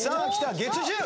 月１０。